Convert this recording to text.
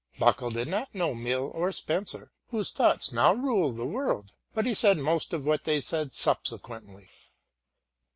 Buckle did not know Mill or Spencer, whose thoughts now rule the world, but he said most of what they said subsequently.